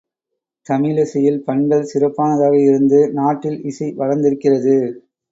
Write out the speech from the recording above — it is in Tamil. தமிழிசையில் பண்கள் சிறப்பானதாக இருந்து நாட்டில் இசை வளர்ந்திருக்கிறது.